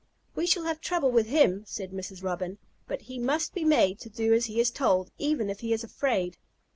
"We shall have trouble with him," said Mrs. Robin, "but he must be made to do as he is told, even if he is afraid."